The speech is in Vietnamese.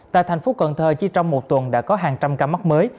tại thành phố cần thơ chỉ trong một tuần đã có hàng trăm ca mắc mới